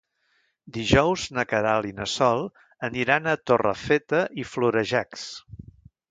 Dijous na Queralt i na Sol aniran a Torrefeta i Florejacs.